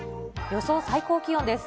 予想最高気温です。